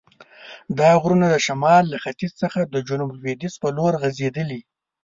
دا غرونه د شمال له ختیځ څخه د جنوب لویدیځ په لور غزیدلي.